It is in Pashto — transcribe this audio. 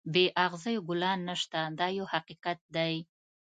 بې اغزیو ګلان نشته دا یو حقیقت دی.